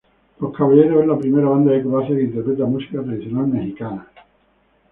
Los Caballeros es la primera banda de Croacia que interpreta música tradicional mexicana.